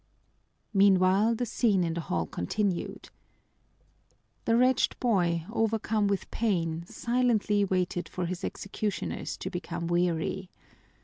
Meanwhile, the scene in the hall continued. The wretched boy, overcome with pain, silently waited for his executioners to become weary.